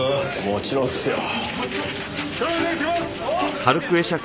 もちろんっすよ。